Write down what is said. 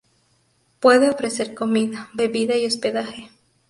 Puede ofrecer comida, bebida y hospedaje.